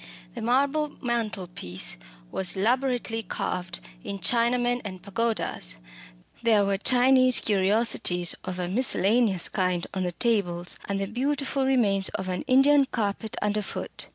The marble mantelpiece was elaborately carved in Chinamen and pagodas. There were Chinese curiosities of a miscellaneous kind on the tables, and the beautiful remains of an Indian carpet underfoot.